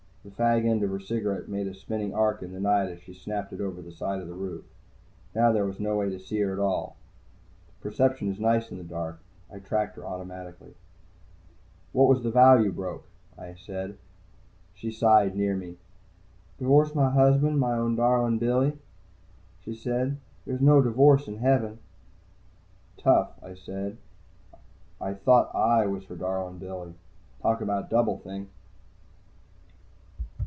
The fag end of her cigarette made a spinning arc in the night as she snapped it over the side of the roof. Now there was no way to see her at all. Perception is nice in the dark. I tracked her automatically. "What was the vow you broke?" I said. She sighed, near me. "I divorced my husband, my own darlin' Billy," she said. "There's no divorce in Heaven." "Tough," I said. I thought I was her darlin' Billy. Talk about Double think!